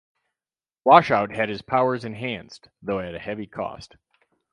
Washout had his powers enhanced, though at a heavy cost.